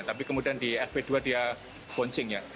tapi kemudian di rb dua dia bouncing ya